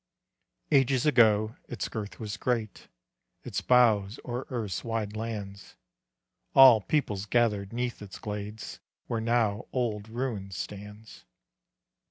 Ages ago its girth was great; Its boughs o'er earth's wide lands; All peoples gathered 'neath its glades Where now old ruin stands.